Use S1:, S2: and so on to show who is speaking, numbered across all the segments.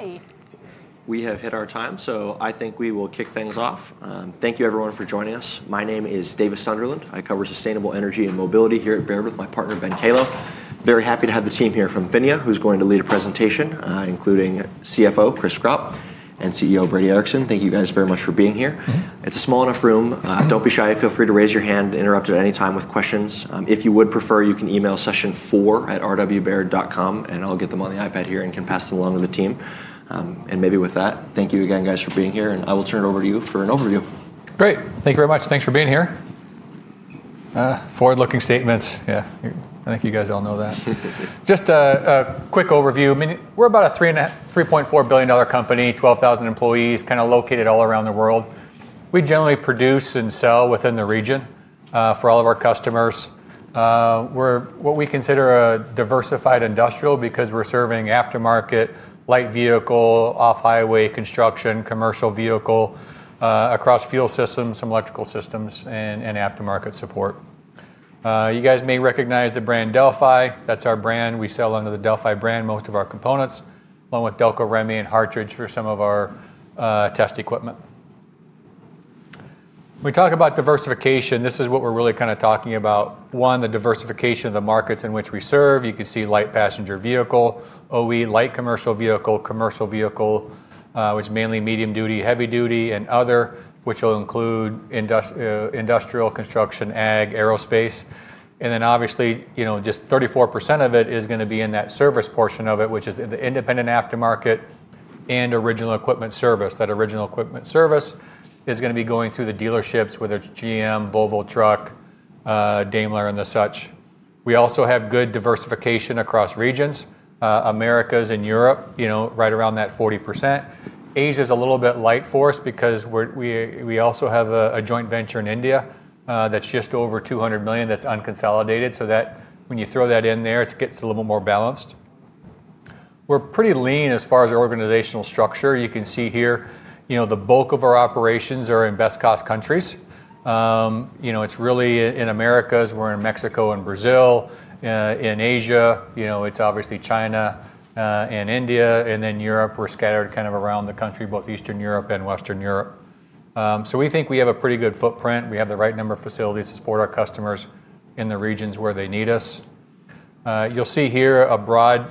S1: Hey.
S2: We have hit our time, so I think we will kick things off. Thank you, everyone, for joining us. My name is David Sunderland. I cover sustainable energy and mobility here at Baird with my partner, Ben Kalo. Very happy to have the team here from PHINIA, who's going to lead a presentation, including CFO Chris Gropp and CEO Brady Ericson. Thank you guys very much for being here. It's a small enough room. Don't be shy. Feel free to raise your hand and interrupt at any time with questions. If you would prefer, you can email session4@rwbaird.com, and I'll get them on the iPad here and can pass them along to the team. Maybe with that, thank you again, guys, for being here. I will turn it over to you for an overview.
S3: Great. Thank you very much. Thanks for being here. Forward-looking statements. Yeah, I think you guys all know that. Just a quick overview. We're about a $3.4 billion company, 12,000 employees, kind of located all around the world. We generally produce and sell within the region for all of our customers. We're what we consider a diversified industrial because we're serving aftermarket, light vehicle, off-highway construction, commercial vehicle, across fuel systems, some electrical systems, and aftermarket support. You guys may recognize the brand Delphi. That's our brand. We sell under the Delphi brand most of our components, along with Delco Remy and Hartridge for some of our test equipment. When we talk about diversification, this is what we're really kind of talking about. One, the diversification of the markets in which we serve. You can see light passenger vehicle, OE, light commercial vehicle, commercial vehicle, which is mainly medium duty, heavy duty, and other, which will include industrial, construction, ag, aerospace. Obviously, just 34% of it is going to be in that service portion of it, which is the independent aftermarket and original equipment service. That original equipment service is going to be going through the dealerships, whether it's GM, Volvo Truck, Daimler, and the such. We also have good diversification across regions, Americas and Europe, right around that 40%. Asia is a little bit light for us because we also have a joint venture in India that's just over $200 million. That's unconsolidated. When you throw that in there, it gets a little more balanced. We're pretty lean as far as our organizational structure. You can see here, the bulk of our operations are in best-cost countries. It's really in Americas. We're in Mexico and Brazil. In Asia, it's obviously China and India. Europe, we're scattered kind of around the country, both Eastern Europe and Western Europe. We think we have a pretty good footprint. We have the right number of facilities to support our customers in the regions where they need us. You'll see here a broad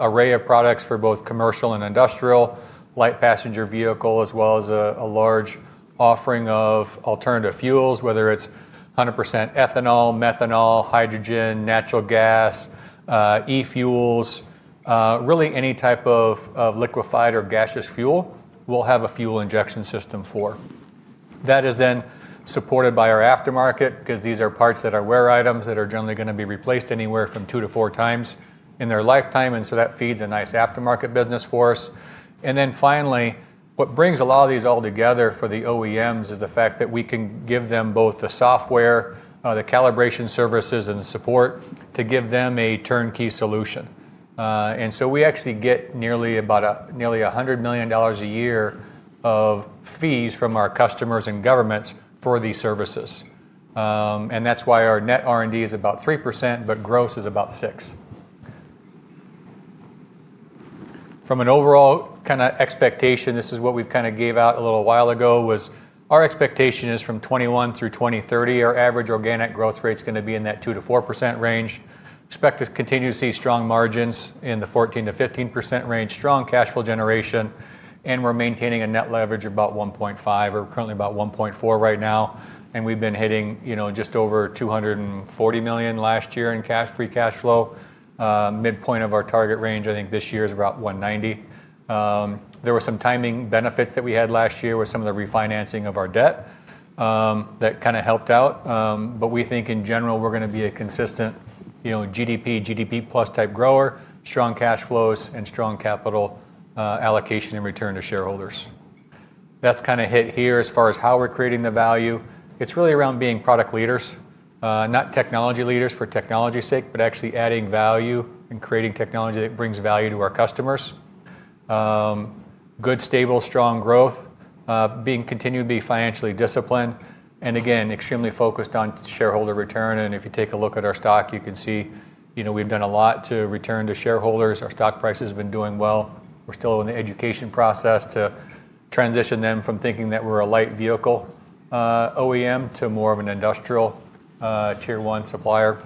S3: array of products for both commercial and industrial, light passenger vehicle, as well as a large offering of alternative fuels, whether it's 100% ethanol, methanol, hydrogen, natural gas, e-fuels, really any type of liquefied or gaseous fuel we'll have a fuel injection system for. That is then supported by our aftermarket because these are parts that are wear items that are generally going to be replaced anywhere from two to four times in their lifetime. That feeds a nice aftermarket business for us. What brings a lot of these all together for the OEMs is the fact that we can give them both the software, the calibration services, and support to give them a turnkey solution. We actually get nearly $100 million a year of fees from our customers and governments for these services. That is why our net R&D is about 3%, but gross is about 6%. From an overall kind of expectation, this is what we kind of gave out a little while ago, was our expectation is from 2021 through 2023, our average organic growth rate is going to be in that 2%-4% range. Expect to continue to see strong margins in the 14%-15% range, strong cash flow generation. We are maintaining a net leverage of about 1.5%. We are currently about 1.4% right now. We've been hitting just over $240 million last year in free cash flow. Midpoint of our target range, I think this year is about $190 million. There were some timing benefits that we had last year with some of the refinancing of our debt that kind of helped out. We think in general, we're going to be a consistent GDP, GDP plus type grower, strong cash flows, and strong capital allocation and return to shareholders. That's kind of hit here as far as how we're creating the value. It's really around being product leaders, not technology leaders for technology's sake, but actually adding value and creating technology that brings value to our customers. Good, stable, strong growth, being continued to be financially disciplined, and again, extremely focused on shareholder return. If you take a look at our stock, you can see we have done a lot to return to shareholders. Our stock price has been doing well. We are still in the education process to transition them from thinking that we are a light vehicle OEM to more of an industrial tier one supplier.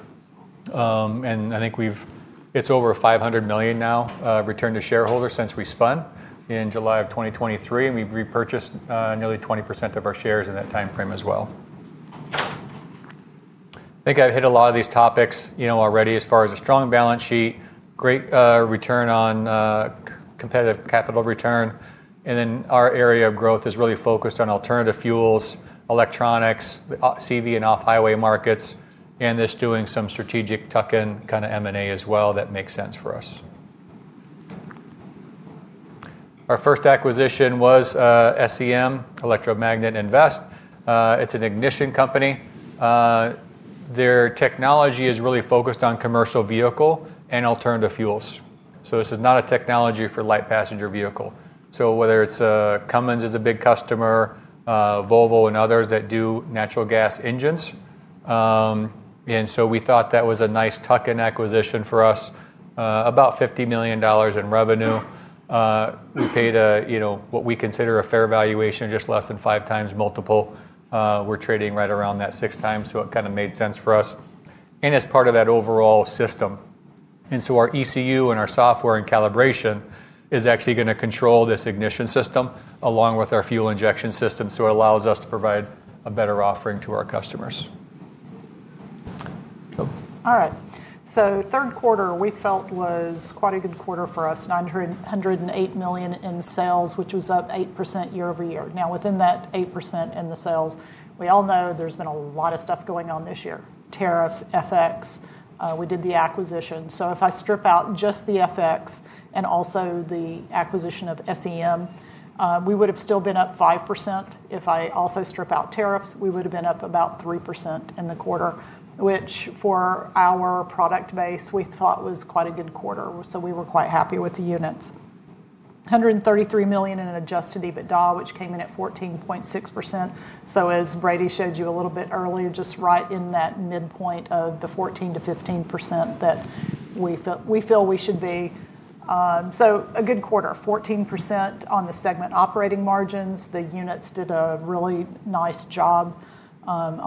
S3: I think it is over $500 million now returned to shareholders since we spun in July of 2023. We have repurchased nearly 20% of our shares in that time frame as well. I think I have hit a lot of these topics already as far as a strong balance sheet, great return on competitive capital return. Our area of growth is really focused on alternative fuels, electronics, CV and off-highway markets, and doing some strategic tuck-in kind of M&A as well that makes sense for us. Our first acquisition was SEM, Electromagnet Invest. It's an ignition company. Their technology is really focused on commercial vehicle and alternative fuels. This is not a technology for light passenger vehicle. Whether it's Cummins is a big customer, Volvo and others that do natural gas engines. We thought that was a nice tuck-in acquisition for us, about $50 million in revenue. We paid what we consider a fair valuation, just less than five times multiple. We're trading right around that six times. It kind of made sense for us as part of that overall system. Our ECU and our software and calibration is actually going to control this ignition system along with our fuel injection system. It allows us to provide a better offering to our customers.
S1: All right. Third quarter, we felt was quite a good quarter for us, $908 million in sales, which was up 8% year over year. Now, within that 8% in the sales, we all know there's been a lot of stuff going on this year: tariffs, FX. We did the acquisition. If I strip out just the FX and also the acquisition of SEM, we would have still been up 5%. If I also strip out tariffs, we would have been up about 3% in the quarter, which for our product base, we thought was quite a good quarter. We were quite happy with the units: $133 million in adjusted EBITDA, which came in at 14.6%. As Brady showed you a little bit earlier, just right in that midpoint of the 14%-15% that we feel we should be. A good quarter, 14% on the segment operating margins. The units did a really nice job on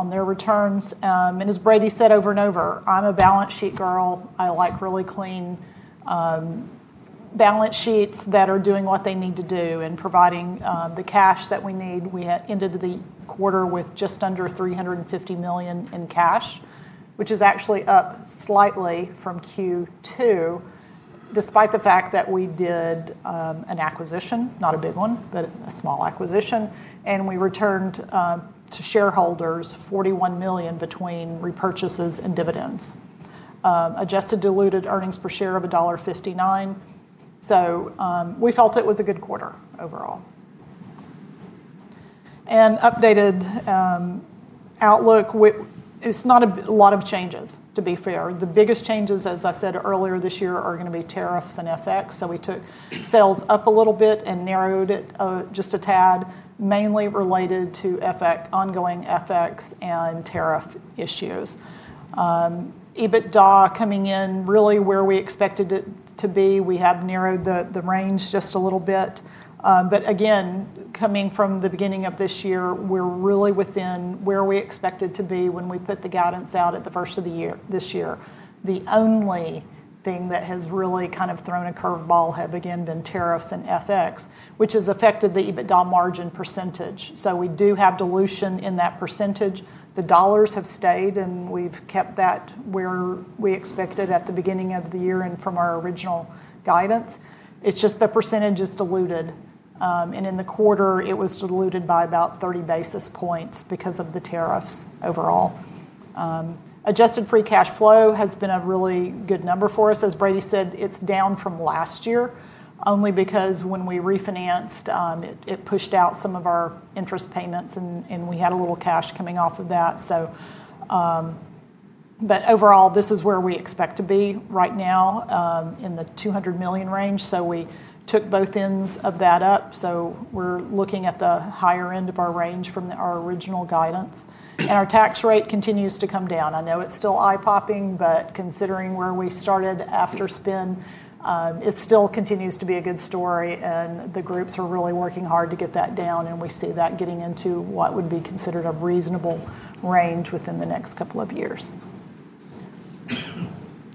S1: their returns. As Brady said over and over, I'm a balance sheet girl. I like really clean balance sheets that are doing what they need to do and providing the cash that we need. We ended the quarter with just under $350 million in cash, which is actually up slightly from Q2, despite the fact that we did an acquisition, not a big one, but a small acquisition. We returned to shareholders $41 million between repurchases and dividends, adjusted diluted earnings per share of $1.59. We felt it was a good quarter overall. Updated outlook, it's not a lot of changes, to be fair. The biggest changes, as I said earlier this year, are going to be tariffs and FX. We took sales up a little bit and narrowed it just a tad, mainly related to ongoing FX and tariff issues. EBITDA coming in really where we expected it to be. We have narrowed the range just a little bit. Again, coming from the beginning of this year, we're really within where we expected to be when we put the guidance out at the first of the year this year. The only thing that has really kind of thrown a curveball have again been tariffs and FX, which has affected the EBITDA margin percentage. We do have dilution in that percentage. The dollars have stayed, and we've kept that where we expected at the beginning of the year and from our original guidance. It's just the percentage is diluted. In the quarter, it was diluted by about 30 basis points because of the tariffs overall. Adjusted free cash flow has been a really good number for us. As Brady said, it is down from last year only because when we refinanced, it pushed out some of our interest payments, and we had a little cash coming off of that. Overall, this is where we expect to be right now in the $200 million range. We took both ends of that up. We are looking at the higher end of our range from our original guidance. Our tax rate continues to come down. I know it is still eye-popping, but considering where we started after spend, it still continues to be a good story. The groups are really working hard to get that down. We see that getting into what would be considered a reasonable range within the next couple of years.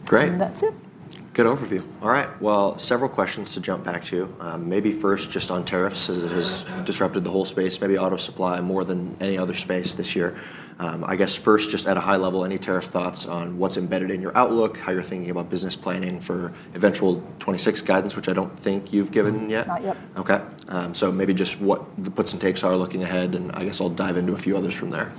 S2: Great.
S1: That is it.
S2: Good overview. All right. Several questions to jump back to. Maybe first just on tariffs as it has disrupted the whole space, maybe auto supply more than any other space this year. I guess first, just at a high level, any tariff thoughts on what's embedded in your outlook, how you're thinking about business planning for eventual 2026 guidance, which I don't think you've given yet.
S1: Not yet.
S2: Okay. Maybe just what the puts and takes are looking ahead. I guess I'll dive into a few others from there.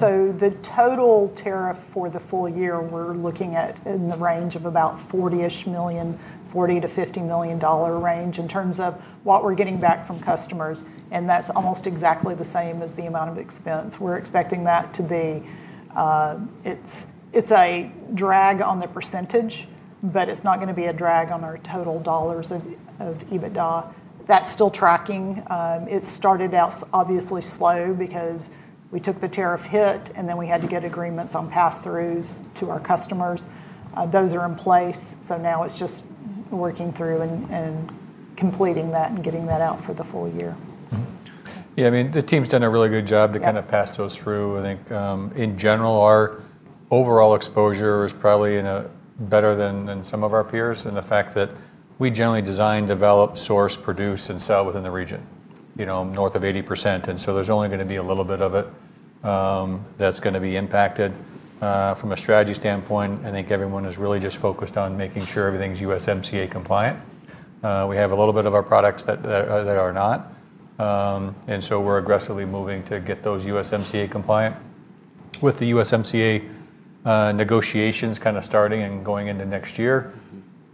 S1: The total tariff for the full year, we're looking at in the range of about $40 million, $40-$50 million range in terms of what we're getting back from customers. That's almost exactly the same as the amount of expense. We're expecting that to be. It's a drag on the percentage, but it's not going to be a drag on our total dollars of EBITDA. That's still tracking. It started out obviously slow because we took the tariff hit and then we had to get agreements on pass-throughs to our customers. Those are in place. Now it's just working through and completing that and getting that out for the full year.
S3: Yeah. I mean, the team's done a really good job to kind of pass those through. I think in general, our overall exposure is probably better than some of our peers in the fact that we generally design, develop, source, produce, and sell within the region, north of 80%. There is only going to be a little bit of it that's going to be impacted. From a strategy standpoint, I think everyone is really just focused on making sure everything's USMCA compliant. We have a little bit of our products that are not. We are aggressively moving to get those USMCA compliant. With the USMCA negotiations kind of starting and going into next year,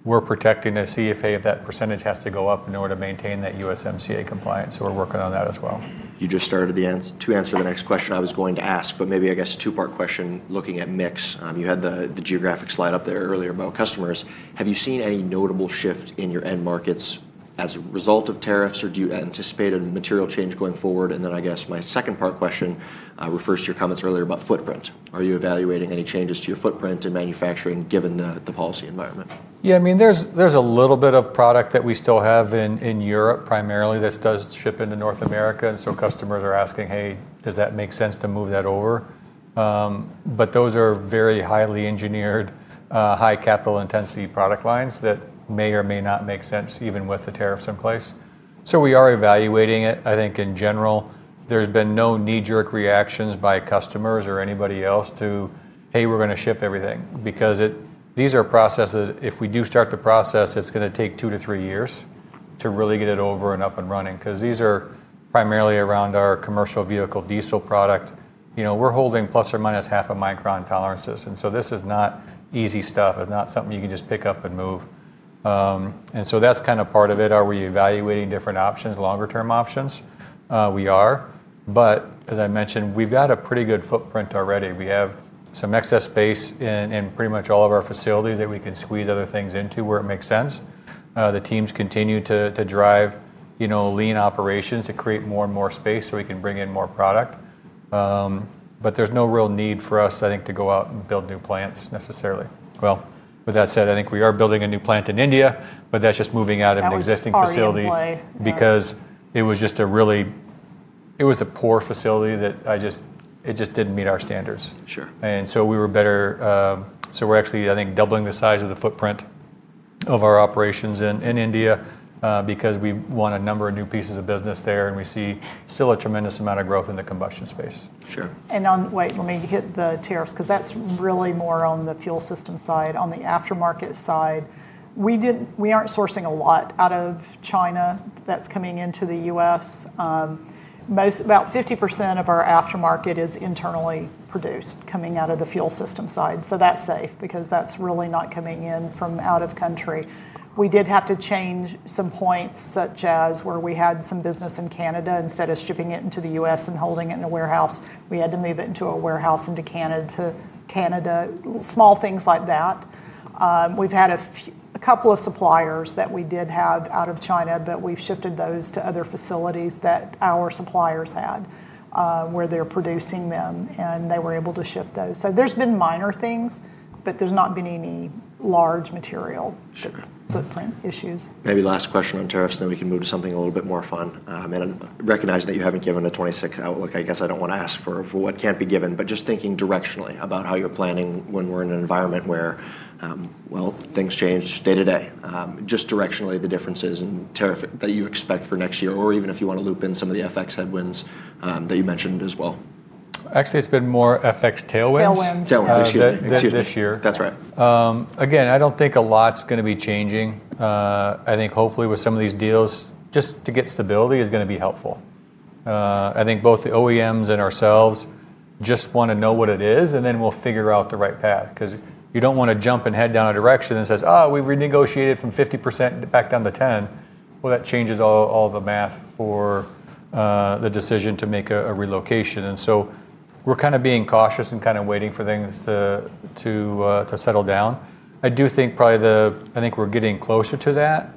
S3: we're protecting the CFA if that percentage has to go up in order to maintain that USMCA compliance. We are working on that as well.
S2: You just started to answer the next question I was going to ask, but maybe I guess two-part question looking at mix. You had the geographic slide up there earlier about customers. Have you seen any notable shift in your end markets as a result of tariffs, or do you anticipate a material change going forward? I guess my second-part question refers to your comments earlier about footprint. Are you evaluating any changes to your footprint and manufacturing given the policy environment?
S3: Yeah, I mean, there's a little bit of product that we still have in Europe primarily that does ship into North America. Customers are asking, "Hey, does that make sense to move that over?" Those are very highly engineered, high capital intensity product lines that may or may not make sense even with the tariffs in place. We are evaluating it. I think in general, there's been no knee-jerk reactions by customers or anybody else to, "Hey, we're going to ship everything," because these are processes. If we do start the process, it's going to take two to three years to really get it over and up and running because these are primarily around our commercial vehicle diesel product. We're holding plus or minus half a micron tolerances. This is not easy stuff. It's not something you can just pick up and move. That's kind of part of it. Are we evaluating different options, longer-term options? We are. As I mentioned, we've got a pretty good footprint already. We have some excess space in pretty much all of our facilities that we can squeeze other things into where it makes sense. The teams continue to drive lean operations to create more and more space so we can bring in more product. There is no real need for us, I think, to go out and build new plants necessarily. That said, I think we are building a new plant in India, but that is just moving out of an existing facility because it was just a really poor facility that just did not meet our standards. We were better. We are actually, I think, doubling the size of the footprint of our operations in India because we won a number of new pieces of business there. We see still a tremendous amount of growth in the combustion space.
S2: Sure.
S1: On, wait, let me hit the tariffs because that's really more on the fuel system side. On the aftermarket side, we aren't sourcing a lot out of China that's coming into the U.S. About 50% of our aftermarket is internally produced coming out of the fuel system side. That's safe because that's really not coming in from out of country. We did have to change some points, such as where we had some business in Canada. Instead of shipping it into the U.S. and holding it in a warehouse, we had to move it into a warehouse in Canada. Small things like that. We've had a couple of suppliers that we did have out of China, but we've shifted those to other facilities that our suppliers had where they're producing them, and they were able to ship those. There's been minor things, but there's not been any large material footprint issues.
S2: Maybe last question on tariffs, then we can move to something a little bit more fun. Recognizing that you haven't given a 2026 outlook, I guess I don't want to ask for what can't be given, but just thinking directionally about how you're planning when we're in an environment where, well, things change day to day. Just directionally, the differences in tariff that you expect for next year, or even if you want to loop in some of the FX headwinds that you mentioned as well.
S3: Actually, it's been more FX tailwinds.
S1: Tailwinds.
S2: Tailwinds.
S3: This year.
S2: This year.
S3: That's right. Again, I don't think a lot's going to be changing. I think hopefully with some of these deals, just to get stability is going to be helpful. I think both the OEMs and ourselves just want to know what it is, and then we'll figure out the right path because you don't want to jump and head down a direction and says, "Oh, we renegotiated from 50% back down to 10%." That changes all the math for the decision to make a relocation. We are kind of being cautious and kind of waiting for things to settle down. I do think probably the I think we're getting closer to that.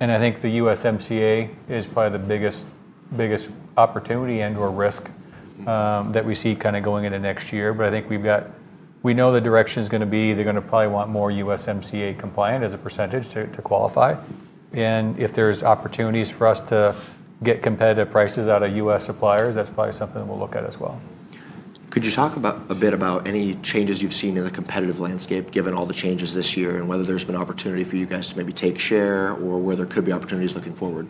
S3: I think the USMCA is probably the biggest opportunity and/or risk that we see kind of going into next year. I think we've got we know the direction is going to be. They're going to probably want more USMCA compliant as a percentage to qualify. If there's opportunities for us to get competitive prices out of US suppliers, that's probably something that we'll look at as well.
S2: Could you talk a bit about any changes you've seen in the competitive landscape given all the changes this year and whether there's been opportunity for you guys to maybe take share or where there could be opportunities looking forward?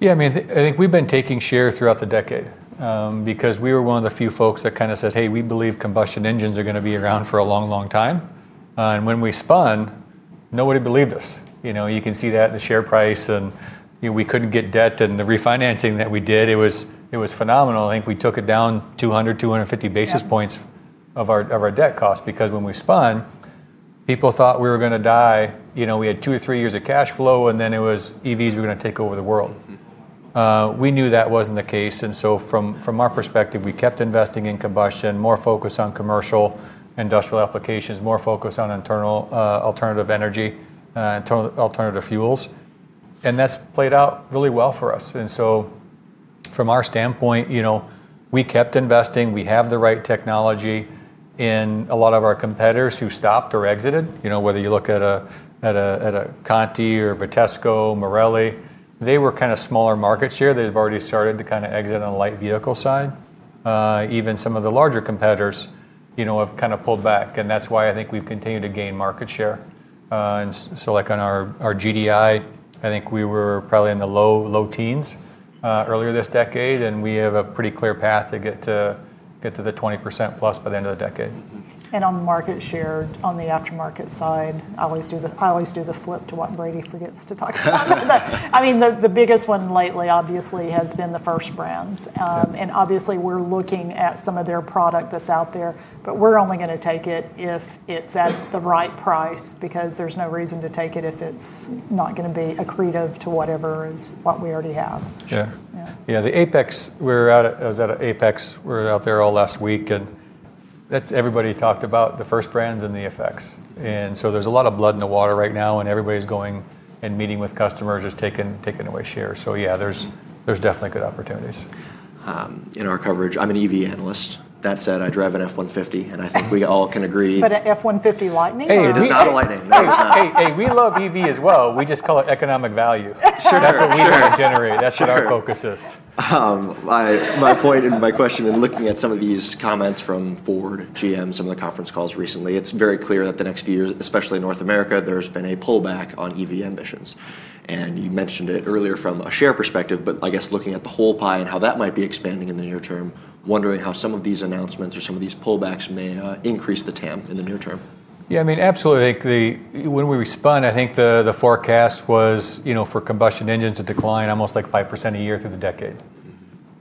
S3: Yeah, I mean, I think we've been taking share throughout the decade because we were one of the few folks that kind of says, "Hey, we believe combustion engines are going to be around for a long, long time." When we spun, nobody believed us. You can see that in the share price. We couldn't get debt. The refinancing that we did, it was phenomenal. I think we took it down 200-250 basis points of our debt cost because when we spun, people thought we were going to die. We had two or three years of cash flow, and then it was EVs were going to take over the world. We knew that wasn't the case. From our perspective, we kept investing in combustion, more focus on commercial industrial applications, more focus on internal alternative energy, internal alternative fuels. That's played out really well for us. From our standpoint, we kept investing. We have the right technology. A lot of our competitors who stopped or exited, whether you look at a Conti or Vitesco or Morelli, they were kind of smaller market share. They've already started to exit on the light vehicle side. Even some of the larger competitors have pulled back. That's why I think we've continued to gain market share. On our GDI, I think we were probably in the low teens earlier this decade. We have a pretty clear path to get to the 20% plus by the end of the decade.
S1: On market share on the aftermarket side, I always do the flip to what Brady forgets to talk about. I mean, the biggest one lately, obviously, has been First Brands. We're looking at some of their product that's out there, but we're only going to take it if it's at the right price because there's no reason to take it if it's not going to be accretive to whatever is what we already have.
S3: Yeah. Yeah. The AAPEX, we're at AAPEX. We were out there all last week. Everybody talked about First Brands and the FX. There is a lot of blood in the water right now. Everybody's going and meeting with customers, just taking away share. Yeah, there are definitely good opportunities. In our coverage, I'm an EV analyst. That said, I drive an F-150. I think we all can agree.
S1: An F-150 Lightning?
S2: Hey, it is not a Lightning.
S3: Hey, we love EV as well. We just call it economic value. That's what we generate. That's what our focus is.
S2: My point and my question in looking at some of these comments from Ford, GM, some of the conference calls recently, it's very clear that the next few years, especially in North America, there's been a pullback on EV ambitions. You mentioned it earlier from a share perspective, but I guess looking at the whole pie and how that might be expanding in the near term, wondering how some of these announcements or some of these pullbacks may increase the TAM in the near term.
S3: Yeah, I mean, absolutely. When we respond, I think the forecast was for combustion engines to decline almost like 5% a year through the decade.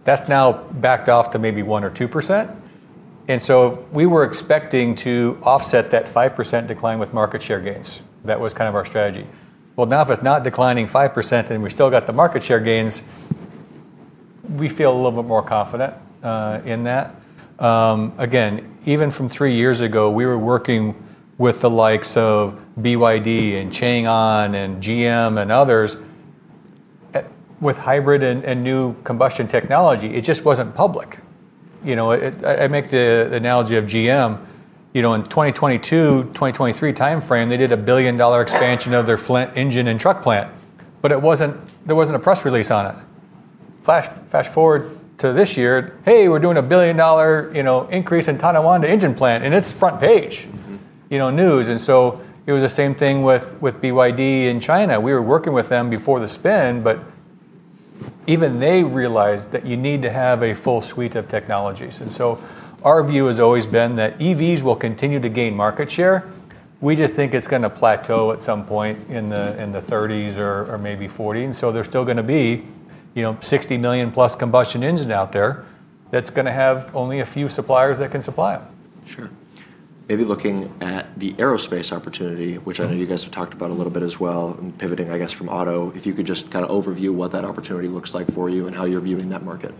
S3: That is now backed off to maybe 1% or 2%. And so we were expecting to offset that 5% decline with market share gains. That was kind of our strategy. Now if it is not declining 5% and we still got the market share gains, we feel a little bit more confident in that. Again, even from three years ago, we were working with the likes of BYD and Changan and GM and others with hybrid and new combustion technology. It just was not public. I make the analogy of GM. In 2022, 2023 timeframe, they did a billion-dollar expansion of their Flint engine and truck plant. There was not a press release on it. Flash forward to this year, hey, we're doing a billion-dollar increase in Tonawanda engine plant. It was front page news. It was the same thing with BYD in China. We were working with them before the spin, but even they realized that you need to have a full suite of technologies. Our view has always been that EVs will continue to gain market share. We just think it's going to plateau at some point in the 2030s or maybe 2040s. There is still going to be 60 million-plus combustion engine out there that's going to have only a few suppliers that can supply them.
S2: Sure. Maybe looking at the aerospace opportunity, which I know you guys have talked about a little bit as well, and pivoting, I guess, from auto, if you could just kind of overview what that opportunity looks like for you and how you're viewing that market.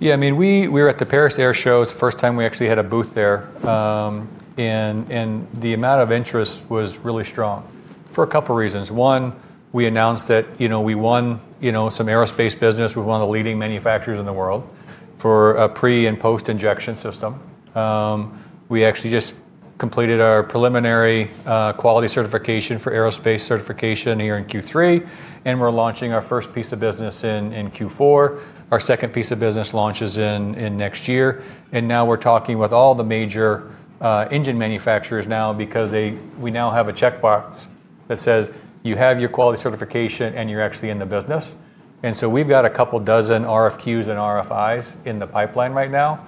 S3: Yeah, I mean, we were at the Paris Air Show. It's the first time we actually had a booth there. The amount of interest was really strong for a couple of reasons. One, we announced that we won some aerospace business. We're one of the leading manufacturers in the world for a pre and post-injection system. We actually just completed our preliminary quality certification for aerospace certification here in Q3. We're launching our first piece of business in Q4. Our second piece of business launches in next year. Now we're talking with all the major engine manufacturers now because we now have a checkbox that says, "You have your quality certification and you're actually in the business." We've got a couple dozen RFQs and RFIs in the pipeline right now.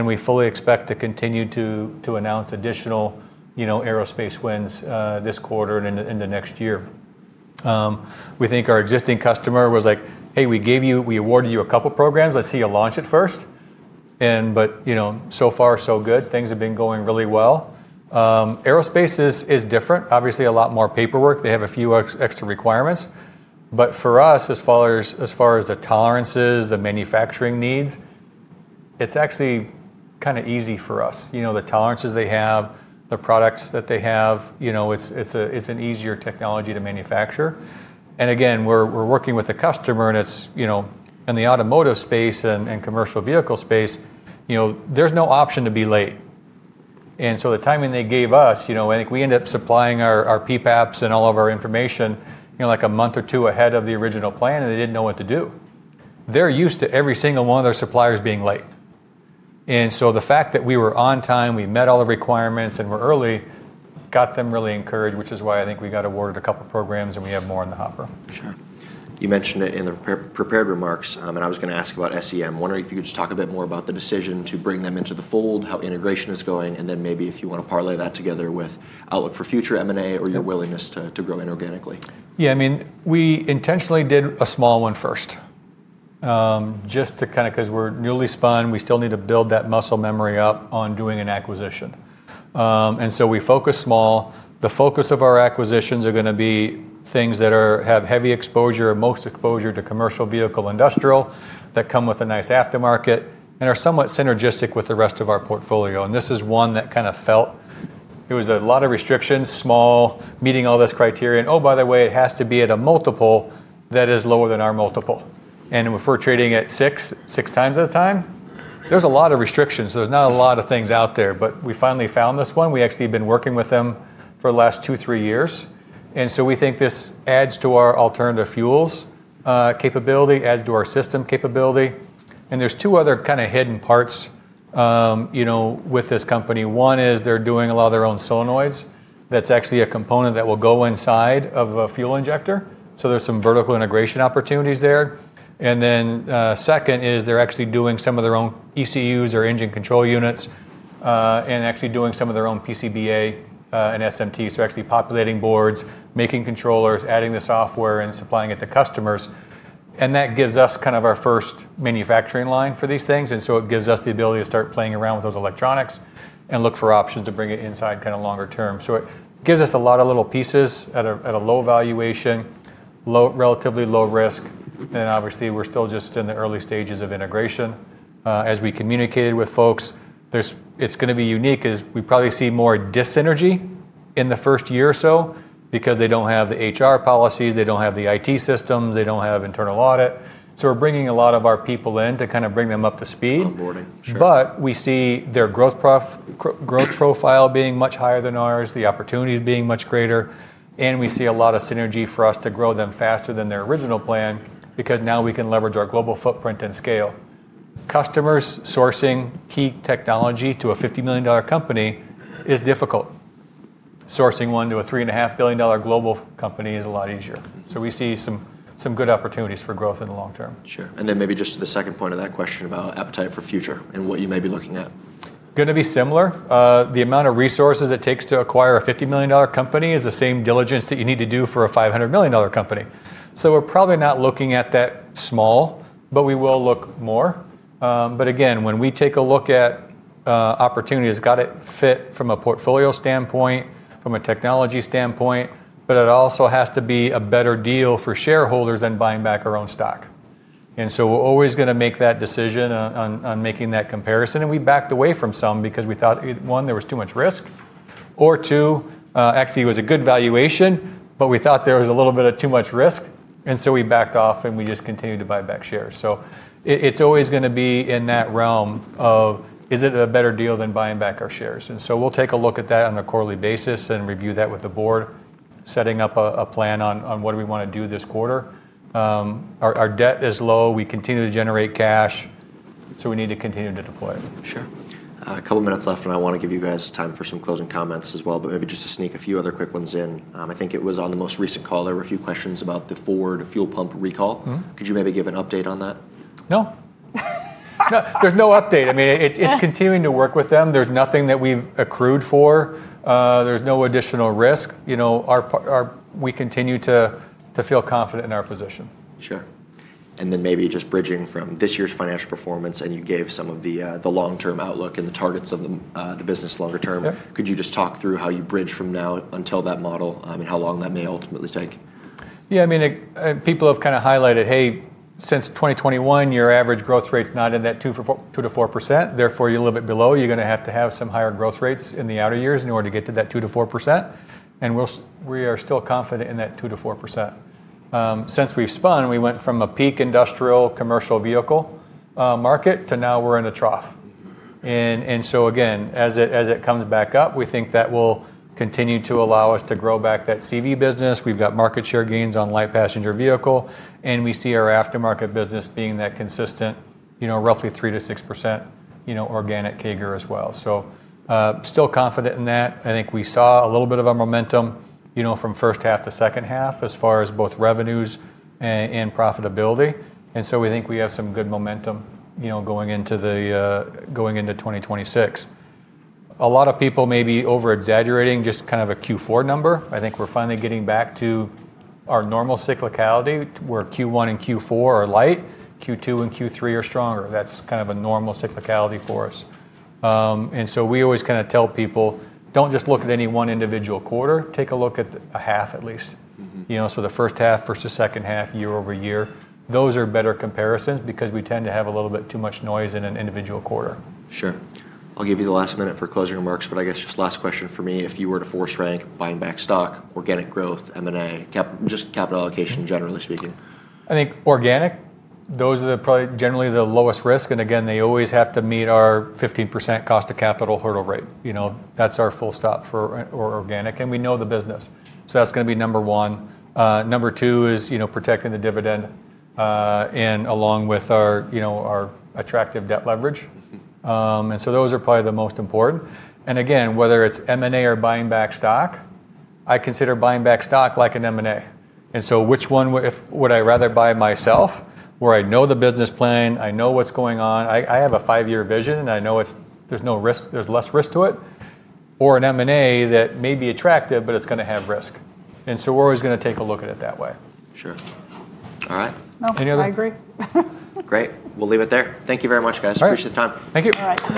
S3: We fully expect to continue to announce additional aerospace wins this quarter and into next year. We think our existing customer was like, "Hey, we awarded you a couple of programs. Let's see you launch it first." So far, so good. Things have been going really well. Aerospace is different, obviously a lot more paperwork. They have a few extra requirements. For us, as far as the tolerances, the manufacturing needs, it's actually kind of easy for us. The tolerances they have, the products that they have, it's an easier technology to manufacture. Again, we're working with the customer. In the automotive space and commercial vehicle space, there's no option to be late. The timing they gave us, I think we ended up supplying our PPAPs and all of our information like a month or two ahead of the original plan, and they did not know what to do. They are used to every single one of their suppliers being late. The fact that we were on time, we met all the requirements, and we were early got them really encouraged, which is why I think we got awarded a couple of programs and we have more in the hopper.
S2: Sure. You mentioned it in the prepared remarks, and I was going to ask about SEM. Wondering if you could just talk a bit more about the decision to bring them into the fold, how integration is going, and then maybe if you want to parlay that together with outlook for future M&A or your willingness to grow inorganically.
S3: Yeah, I mean, we intentionally did a small one first just to kind of because we're newly spun, we still need to build that muscle memory up on doing an acquisition. I mean, we focus small. The focus of our acquisitions are going to be things that have heavy exposure, most exposure to commercial vehicle industrial that come with a nice aftermarket and are somewhat synergistic with the rest of our portfolio. This is one that kind of felt it was a lot of restrictions, small, meeting all those criteria. Oh, by the way, it has to be at a multiple that is lower than our multiple. If we're trading at six times at a time, there's a lot of restrictions. There's not a lot of things out there. We finally found this one. We actually have been working with them for the last two, three years. We think this adds to our alternative fuels capability, adds to our system capability. There are two other kind of hidden parts with this company. One is they're doing a lot of their own solenoids. That's actually a component that will go inside of a fuel injector. There are some vertical integration opportunities there. Second is they're actually doing some of their own ECUs or engine control units and actually doing some of their own PCBA and SMTs. They're actually populating boards, making controllers, adding the software, and supplying it to customers. That gives us kind of our first manufacturing line for these things. It gives us the ability to start playing around with those electronics and look for options to bring it inside kind of longer term. It gives us a lot of little pieces at a low valuation, relatively low risk. Obviously, we're still just in the early stages of integration. As we communicated with folks, it's going to be unique as we probably see more dyssynergy in the first year or so because they don't have the HR policies, they don't have the IT systems, they don't have internal audit. We're bringing a lot of our people in to kind of bring them up to speed. We see their growth profile being much higher than ours, the opportunities being much greater. We see a lot of synergy for us to grow them faster than their original plan because now we can leverage our global footprint and scale. Customers sourcing key technology to a $50 million company is difficult. Sourcing one to a $3.5 billion global company is a lot easier. We see some good opportunities for growth in the long term.
S2: Sure. And then maybe just to the second point of that question about appetite for future and what you may be looking at.
S3: Going to be similar. The amount of resources it takes to acquire a $50 million company is the same diligence that you need to do for a $500 million company. We are probably not looking at that small, but we will look more. Again, when we take a look at opportunities, it has to fit from a portfolio standpoint, from a technology standpoint, but it also has to be a better deal for shareholders than buying back our own stock. We are always going to make that decision on making that comparison. We backed away from some because we thought, one, there was too much risk, or two, actually, it was a good valuation, but we thought there was a little bit of too much risk. We backed off and we just continued to buy back shares. It's always going to be in that realm of, is it a better deal than buying back our shares? We will take a look at that on a quarterly basis and review that with the board, setting up a plan on what we want to do this quarter. Our debt is low. We continue to generate cash. We need to continue to deploy it.
S2: Sure. A couple of minutes left, and I want to give you guys time for some closing comments as well, but maybe just to sneak a few other quick ones in. I think it was on the most recent call, there were a few questions about the Ford fuel pump recall. Could you maybe give an update on that?
S3: No. There's no update. I mean, it's continuing to work with them. There's nothing that we've accrued for. There's no additional risk. We continue to feel confident in our position.
S2: Sure. Maybe just bridging from this year's financial performance, and you gave some of the long-term outlook and the targets of the business longer term, could you just talk through how you bridge from now until that model and how long that may ultimately take?
S3: Yeah, I mean, people have kind of highlighted, hey, since 2021, your average growth rate's not in that 2-4%. Therefore, you're a little bit below. You're going to have to have some higher growth rates in the outer years in order to get to that 2-4%. And we are still confident in that 2-4%. Since we've spun, we went from a peak industrial commercial vehicle market to now we're in a trough. As it comes back up, we think that will continue to allow us to grow back that CV business. We've got market share gains on light passenger vehicle. We see our aftermarket business being that consistent, roughly 3-6% organic Kager as well. Still confident in that. I think we saw a little bit of momentum from first half to second half as far as both revenues and profitability. We think we have some good momentum going into 2026. A lot of people may be over-exaggerating just kind of a Q4 number. I think we're finally getting back to our normal cyclicality where Q1 and Q4 are light, Q2 and Q3 are stronger. That is kind of a normal cyclicality for us. We always kind of tell people, don't just look at any one individual quarter. Take a look at a half at least. The first half versus second half year over year, those are better comparisons because we tend to have a little bit too much noise in an individual quarter.
S2: Sure. I'll give you the last minute for closing remarks, but I guess just last question for me. If you were to force rank buying back stock, organic growth, M&A, just capital allocation, generally speaking.
S3: I think organic, those are probably generally the lowest risk. Again, they always have to meet our 15% cost of capital hurdle rate. That's our full stop for organic. We know the business. That's going to be number one. Number two is protecting the dividend and along with our attractive debt leverage. Those are probably the most important. Again, whether it's M&A or buying back stock, I consider buying back stock like an M&A. Which one would I rather buy myself where I know the business plan, I know what's going on, I have a five-year vision, and I know there's less risk to it, or an M&A that may be attractive, but it's going to have risk. We're always going to take a look at it that way.
S2: Sure. All right.
S1: I agree.
S2: Great. We'll leave it there. Thank you very much, guys. Appreciate the time.
S1: Thank you.